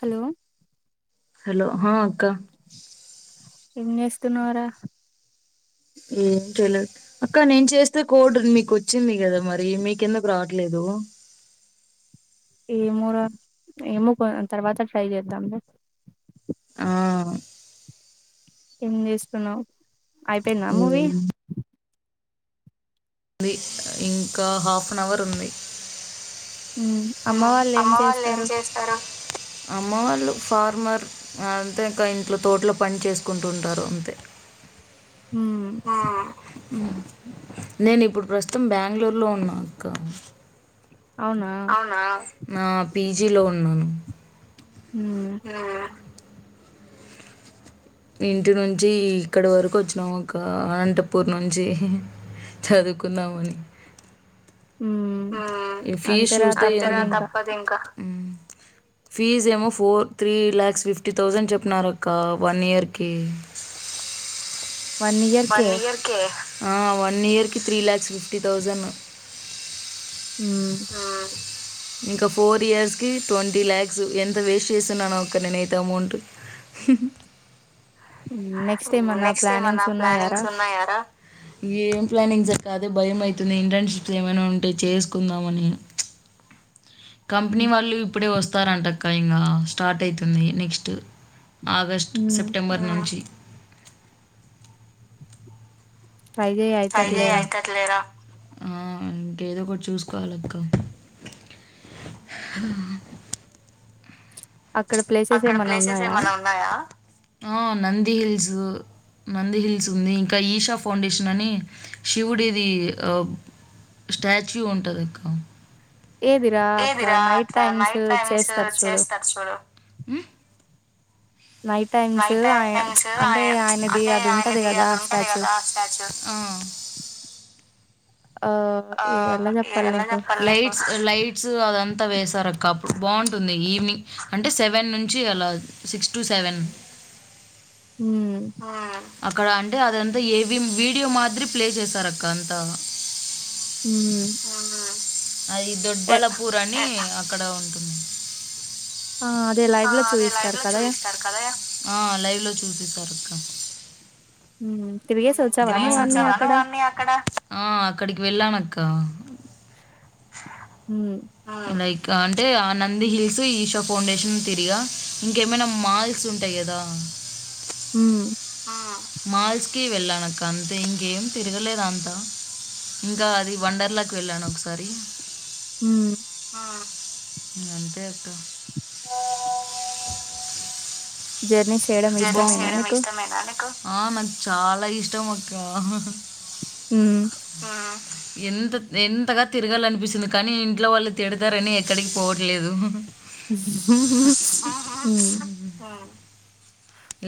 Hello hello ఆ అక్క ఏం చేస్తున్నావురా [unintelligible] అక్క నేను చేస్తే కోడ్ మీకు వచ్చింది కదా మరి మీకెందుకు రావటామ్ లేదు ఏమోరా ఏమో తర్వాత ట్రై చేద్దాం ఆ ఏం చేస్తున్నావు అయిపోయింద మూవీ ఉంది అ ఇంకా హాఫ్ అన్ అవర్ ఉంది హ్మ్ అమ్మ వాళ్ళు ఏం చేస్తారు అ అమ్మ వాళ్ళు ఫార్మర్ అంతే ఇంకా ఇంట్లో తోటలో పని చేసుకుంటుంటారు అంతే హ్మ్ నేను ఇప్పుడు ప్రస్తుతం బెంగళూరులో ఉన్నా అక్క అవునా ఆ పీజి లో ఉన్నాను హ్మ్ ఆ ఇంటి నుంచి ఇక్కడి వరకు వచ్చినాము ఒక అనంతపూర్ నుంచి చదువుకుందాము అని ఉమ్ ఈ ఫీజ అంతేరా చూస్తే ఇంకా తప్పదు ఇంకా ఫీజ్ ఏమో four three lakhs fifty thousand చెప్పినారూ అక్క వన్ ఇయర్కి కి వన్ ఇయర్ కి వన్ ఇయర్ కి త్రీ లక్స్ ఫిఫ్టీ థౌజండ్ హ్మ్ ఆ ఇంకా ఫోర్ ఇయర్స్ కి ట్వంటీ లాక్స్ ఎంత వేస్ట్ చేస్తున్నానో అక్క నేనైతే అమౌంట్ ఉమ్, నెక్స్ట్ ఏమన్నా నెక్స్ట్ ఏమైనా ప్లానింగ్స్ ఉన్నాయారా ప్లానింగ్ ఉన్నాయా రా ఏం ప్లానింగ్స్ అక్క అదే భయం అయితుంది ఇంటర్న్షిప్స్ ఏమైనా ఉంటే చేసుకుందామని కంపెనీ ఉమ్ వాళ్ళు ఇప్పుడే వస్తారంటక్క ఇంకా స్టార్ట్ అవుతుంది నెక్స్ట్ ఆగస్ట్ ఉమ్, సెప్టెంబర్ నుంచి ట్రై చే ట్రై చే అయితది లేరా ఆ ఇంకా ఏదో ఒకటి చూసుకోవాలక్క హ అక్కడ ప్లేసెస్ అక్కడ ఏమన్నా ప్లేసెస్ ఉన్నాయా ఏమ ఉన్నాయా నంది హిల్స్ నంది హిల్స్ ఉంది ఇంకా ఈషా ఫౌండేషన్ అని శివుడిది స్టాచ్యూ ఉంటంది అక్క ఏదిరా అట్లా ఏదిరా నైట్ టైమ్స్ చేస్తారు చూడు [unintelligible] నైట్ టైమ్స్ ఆయన వైటైన్స్ ఆ అంటే ఆయనది అంటే అది ఉంటది ఆయనది కదా అది ఉంటది స్టాచ్యూ కదా స్టాచ్యూ ఆ ఆ ఎలా [unintelligible] చెప్పాలి ఎలా నీకు చెప్పంలే లైట్స్ అదంత వేసారు అక్క అప్పుడు బాగుంటుంది ఈవినింగ్ అంటే సెవెన్ నుంచి అలా సిక్స్ టూ సెవెన్ హ్మ్ అక్కడ అంటే అదంత ఏవి వీడియో మాదిరి ప్లే చేశారు అక్క అంత హు అది దొడ్బలపూర్ అని అక్కడ ఉంటుంది ఆ అదే లైవ్ లో అదే లైవ్ చూయిస్తారు లో కదా చూపిస్తారు కదే హు [unintelligible] అ ఆ అక్కడికి వెళ్ళానక్క హు లైక్ అంటే ఆ నంది హిల్స్ ఈషో ఫౌండేషన్ తిరిగా ఇంకేమైనా మాల్స్ ఉం టాయి కదా హు మాల్స్కి వెళ్ళానక్క అంతే ఇంకేం తిరగలేద అంతా ఇంకా అది వండర్లాకి వెళ్ళాను ఒకసారి హు ఆ ఇంగ అంతే అక్క జర్నీస్ చేయడం జర్నీస్ ఇష్టమేనా చెయ్యడం నీకు ఇష్టమేన నీకు హు ఆ ఎంత ఎంతగ తిరగాలనిపిస్తుంది కానీ ఇంట్లో వాళ్ళు తిడతారని ఎక్కడికి పోవట్లేదు హ్మ్ ఆ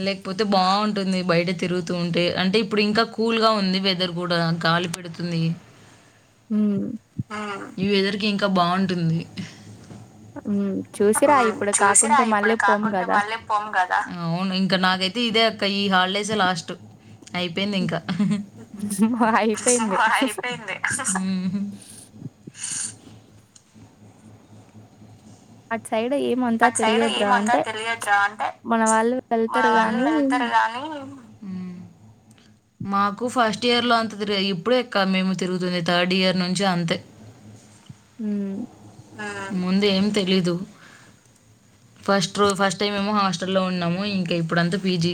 లేకపోతే బాగుంటుంది బయట తిరుగుతూ ఉంటే అంటే ఇప్పుడు ఇంకా కూల్గా ఉంది వెదర్ కూడ గాలి పెడు ఉంది హు ఈ వెదర్కి ఇంకా బాగుంటుంది హ్మ్ చూసిరా ఇప్పుడు చూసిరా కాకుంటే ఇప్పుడు మళ్ళీ పోం కాకుంటే కదా మళ్ళీ అవును ఇంకా నాకైతే ఇదే అక్క ఈ హాలిడే లాస్ట్ అయిపోయింది ఇంక అయిపోయింది హమ్ అటు సైడ్ ఏమంతా అటు సైడ్ తెలియదురా ఏమంత అంటే తెలియదుర అంటే మన వాళ్ళు మన వెళ్తారు వాళ్ళు గానీ వెళ్తారు గా [unintelligible] మాకు ఫస్ట్ ఇయర్లో అంత తిరాగలే ఇప్పుడే అక్క మేము తిరుగుతుంది థర్డ్ ఇయర్ నుంచి అంతే హు ఆ ముందు ఏం తెలీదు ఫస్ట్ రో ఫస్ట్ టైమ్ ఏమో హాస్టల్లో ఉన్నాము ఇంకా ఇప్పుడంతా పీజీ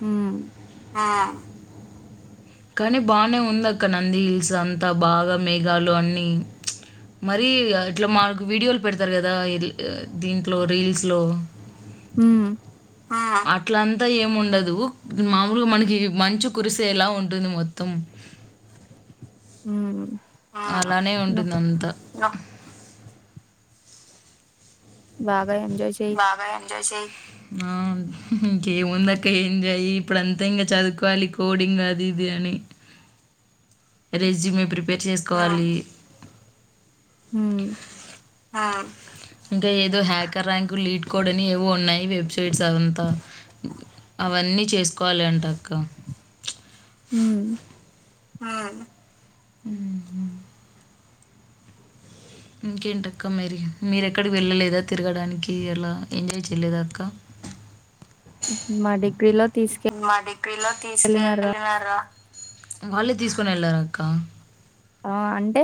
హు ఆ కానీ బానే ఉంది అక్కడ నంది హిల్స్ అంతా బాగా మేఘాలు అన్నీ మరి ఇట్ల మాకు వీడియోలు పెడతారు కదా దీంట్లో రీల్స్లో అ [unintelligible] హ ఆ అట్లంతా ఏమి ఉండదు మామూలుగా మనకి మంచు కురిసేలా ఉ ఉంటుంది మొత్తం హ అలానే ఉంటుంది అంత బాగా ఎంజాయ్ చెయ్ బాగా ఎంజాయ్ చేయ్ ఆ ఇంకేముంద అక్క ఎంజాయి ఇప్పుడు అంతా ఇంకా చదువుకోవాలి కోడింగ్ అది ఇది అని రెజ్యూమే ప్రిపేర్ చేసుకోవాలి హ ఆ ఇంకా ఏదో హ్యాకర్ ర్యాంకు లీడ్ కోడని ఏవో ఉన్నాయి వెబ్సైట్స్ అది అంతా అవన్నీ చేసుకోవాలి అంట అక్క హ ఆ ఇంకేంటక్క మీరి మీరు ఎక్కడికి వెళ్ళలేదా తిరగడానికి అలా ఎంజాయ్ చేయలేదా అక్క మా డిగ్రీలో మా డిగ్రీలో తీసుకెళ్ళినారు తీసుకెళ్ళినార వాళ్ళే తీసుకోని వెళ్ళార అక్క ఆ అంటే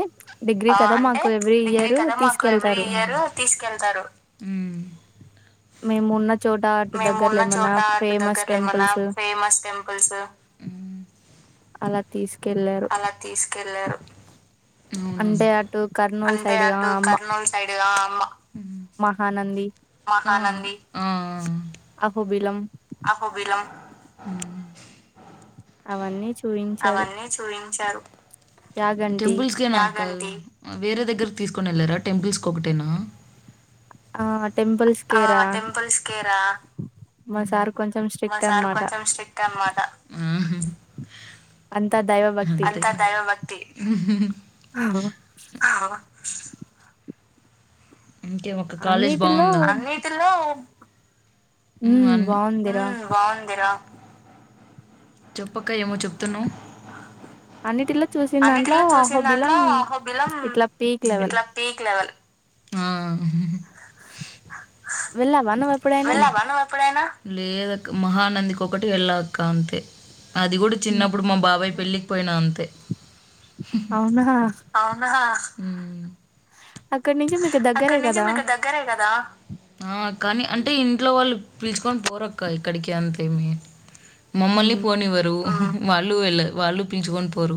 డిగ్రీ ఆ, కదా అంటే మాకు ఎవ్రీ డిగ్రీ ఇయర్ కదా మాకు ఎవ్రీ తీసుకెళ్తారు ఇయర్ తీసుకెళ్తారు మ్ మేము ఉన్న చోట ఆటు మేము ఉన్న దగ్గరలే ఏమనా చోట అటు ఫేమస్ దగ్గరలో ఏమన్నా టెంపుల్స్ ఫేమస్ టెం పుల్స్ అలా తీసుకెళ్లారు అలా తీసుకెళ్లారు అవును అంటే అంకుల్ అటు కర్నూలు అంటే సైడ్గా అటు అమ్మ కర్నూలు సైడ్ ఆ, మ- మ్మ్. మహానంది మహానంది ఆ అహోబిలం అహోబిలం అవన్నీ చూయించారు చూయించారు యాగంటి టెంపుల్స్ కేనా వేరే దగ్గర తీసుకొని వెళ్లరా టెంపుల్స్ ఒకటేనా ఆ టెంపుల్స్ ఆ కేేరా టెంపుల్స్ కేరా మ సార్ కొంచెం మా స్ట్రిక్ట్ సార్ అనమాట కొంచెం స్ట్రిక్ట్ అనమాట హమ్ అంత దైవం అంతా దైవ భక్తి అహో ఆ ఇంకేం అక్క కాలేజ్ అన్నిటిలో బాగుంద అన్నిటిలో ఉ ఉమ్ అన్ బాగుందిరా బాగుందిరా చెప్పక ఏమో చెప్తున్నావు అన్నిటిల్లా చూసి అన్నిటిలో చూసిన దాంట్లో ఆహో బిలం ఇట్లా పీక్ లెవెల్ ఇట్లా పీక్ లెవల్ వెళ్ళవా నువన్ వెళ్ళావా నువు ఎప్పుడైనా లేదక్క మహానందికి ఒకకటి వెళ్ళా అక్క అంతే అది కూడా హ్మ్. చిన్నప్పుడు మా బాబాయ్ పెళ్ళి. పోయిన అంతే. అవునా. అవునా అక్కడి నుంచి మీకు దగ్గరే అక్కడి నుంచి కదా మీకు దగ్గరే కదా. కానీ అంటే ఇంట్లో వాళ్ళు పిలుచుకొని పోరక్క ఇక్కడికి అంతేమ. మమ్మల్ని ఉమ్ పోనివ్వరు వాళ్ళు వెళ్ళ వాళ్ళు పించుకొని పోరు.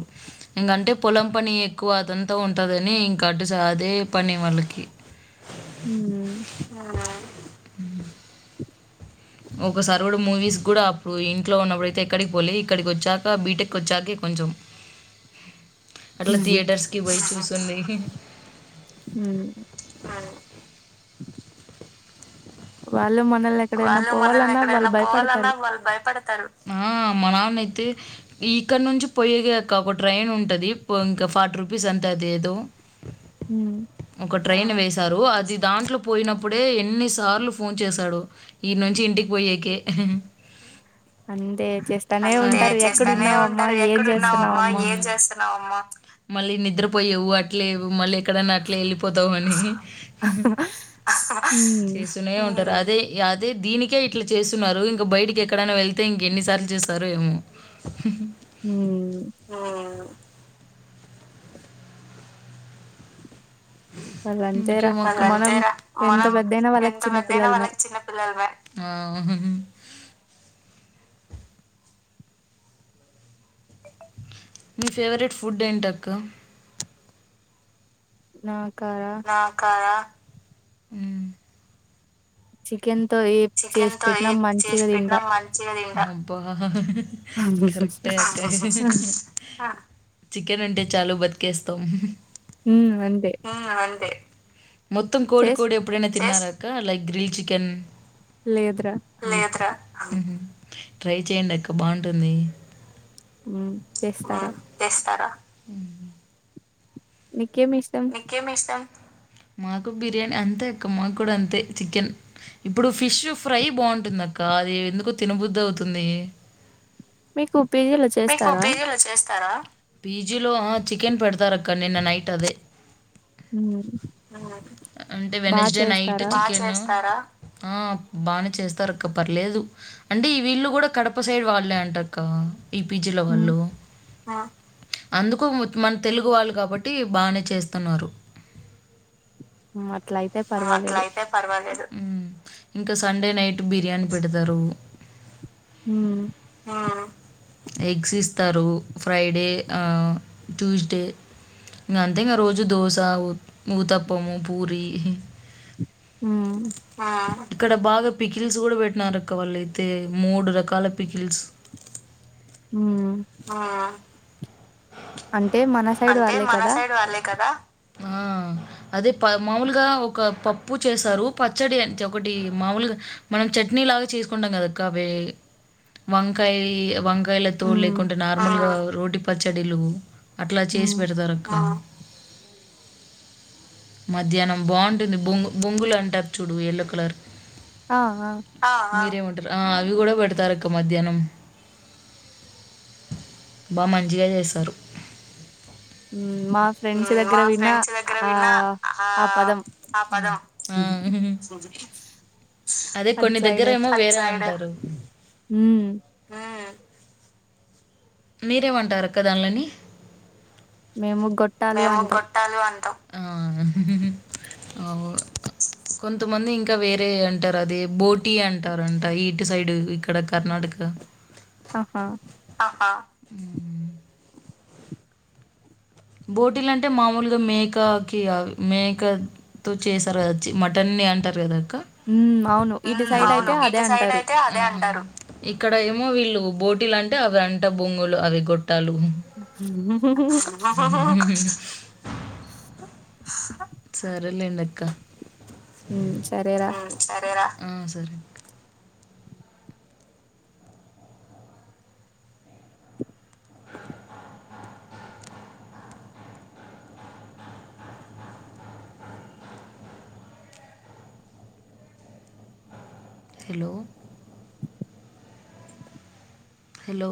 ఇంకంటే పొలం పని ఎక్కువ అదంతా ఉంటుందని ఇంకా అటు స అదే పని వాళ్ళకి. హ. ఆ. ఒక సారీ కూడా మూవీస్ కూడా అప్పుడు ఇంట్లో ఉన్నప్పుడుైతే ఎక్కడికి పోలే ఇక్కడికి వచ్చాక బీటెక్. వచ్చాక కొంచెం అట్లా థియేటర్స్ కి పోయి చూస్తుంది. హ. వాళ్ళ మన. వాళ్ళు మనల్ని ఎక్కడైనా పోవాలన్నా వాళ్ళు భయపడతారు మా నాన్నయితే. ఇక్కడ నుంచి పోయ్యేక ఒక ట్రైన్ ఉంటుంది ఇంకా ఫార్టీ రూపీస్ అంతే అది ఏదో. హ. ఒక ట్రైన్ వేశారు అది దాంట్లో పోయినప్పుడే ఎన్నిసార్లు ఫోన్ చేశాడు. ఈ నుంచి ఇంటికి పోయకె. అందే జెస్. అంతే చేస్తానే ఉంటారు ఎక్కడు ఉన్నావమ్మా చేస్తున్నావమ్మా ఏం చేస్తున్నావమ్మా. మళ్ళీ నిద్రపోయవు అట్లే లేవు మళ్ళీ. ఎక్కడన్నా అట్లే వెళ్ళిపోతామ అనిసి ఉమ్ చేస్తూనే ఉంటారు అదే. అదే దీనికే ఇట్లా చేస్తున్నారు ఇంక బయటకి ఎక్కడైనా వెళ్తే ఇంక ఎన్ని సార్లు చేస్. సరే ఏమో. హ. ఆ. వాళ్ళు అంతేరా మనం అంతేరా ఎంత మనం పెద్దయినా వాళ్ళకి ఎంత చిన్న పెద్దయినా పిల్లలమే వాళ్ళకి చిన్న పిల్లలమే. ఆ. మీ ఫేవరెట్ ఫుడ్ ఏంటక్క. నాకార. నాకార. చికెన్తో ఏ. చికెన్ చేసి తో ఏ పెట్టినా మంచిగా చేసి పెట్టినా తింటా మంచిగా తింటా. కరెక్టే అయితే. చికెన్ అంటే చాలు బతికేస్తామ్. ఉ అంతే. మొత్తం కోడి చేస్ కోడి ఎప్పుడైనా తిన్నార అక్క లైక్ గ్రిల్ చికెన్. లేదురా. ట్రై చెయండి అక్క బాగుంటుంది. చేస్తారా. ఉమ్, చేస్తారా. మీకేమిస్. మాకు బిర్యానీ అంతే అక్క మాకు కూడా అంతే చికెన్. ఇప్పుడు ఫిష్ ఫ్రై బావుంటుంది అక్కఅది ఎందుకొ తినబుద్ది అవుతుంది. మీకు పిజీలో చే మీకు పీజీలో చేస్తారా పీజీ లో ఆ చికెన్ పెడతారు అక్కా నిన్న నైట్ అదే. మ్మ్ అంటే బా వెనస్డే నైట్ చేస్తారా చికెన్ ఆ బానే చేస్తారు అక్క పర్లేదు. అంటే వీళ్ళు కూడా కడప సైడ్ వాళ్ళే అంటక్క ఈ పీజీలో మ్మ్ వాళ్ళు. హా అందుకు మన తెలుగు వాళ్ళు కాబట్టి బానే చేస్తున్నారు. హా అట్లై ఇంకా సండే నైట్ బిర్యానీ పెడతరు మ్మ్ ఎగ్స్ ఇస్తారు. ఫ్రైడే ఆ ట్యూస్డే. ఇంగా అంతే ఇంగా రోజు దోస, ఊ ఊతప్పము, పూరి మ్మ్ ఆ ఇక్కడ బాగా పికిల్స్ కూడా పెట్టినారు అక్క వాళ్ళయితే మూడు రకాల పికిల్స్. మ్మ్ ఆ అంటే మన సైడ్ అంటే వాళ్ళే మన కదా సైడ్ వాళ్ళే కదా. ఆ అదే పా మాములుగా [unintelligible] ఒక పప్పు చేసారు పచ్చడి ఒకటి మామూలుగా మనం చట్నీ లాగా చేసుకుంటాం కదా అక్కా వే వంకాయ్ వంక్ వేలతో మ్మ్ లేకుంటే నార్మల్గా రోటి పచ్చడిలు అట్ల చేసి మ్మ్ పెడతారు అక్క. మధ్యాహ్నం బావుం టుంది బొంగు బొంగులు అంటారు చూడు ఎల్లో కలర్ ఆ ఆ మీరేమంటారు. ఆ అవి కూడా పెడతారు అక్క మధ్యాహ్నం. బామంచిగా చేస్తారు. మ్మ్ మా ఫ్రెండ్స్ మ్మ్ దగ్గర మా విన్నా ఫ్రెండ్స్ దగ్గర ఆ విన్నా ఆ ఆ అదే అట్ కొన్ని దగ్గర సైడ్ ఏమో వేరె అంటరు. మ్మ్ మీరేమంటరు అక్క దాన్లని మేము గొట్టాలు అంటం. ఆ ఓ కొంతమంది ఇంకా వేరే అంటారు. అది బోటీ అంటారంట ఇటు సైడు ఇక్కడ కర్నాటక. ఆహా మ్మ్ బోటీలు అంటే మామూలుగా మేకకి అవి మేక తో చేసారు కదా అచ్చి మటన్ని అంటారు కదాక్క మ్మ్ అవును ఇటు ఆ సైడ్ అయితే అవును అదే ఇటు సైడ్ అంటారు అయితే ఇక్కడ ఏమో వీళ్ళు బోటీలు అంటే అవి అంట బొంగులు అవి గొట్టాలు సరే లేండక్క మ్మ్ సరేరా ఆ సరే. Hello hello